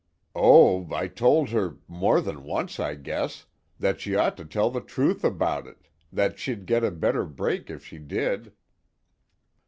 "Oh, I told her more than once, I guess that she ought to tell the truth about it, that she'd get a better break if she did."